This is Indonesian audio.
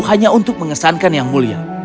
hanya untuk mengesankan yang mulia